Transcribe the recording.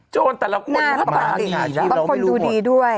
โจรแต่ละคนมาประมาณอีกแล้วก็คนดูดีด้วย